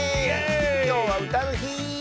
きょうはうたのひ！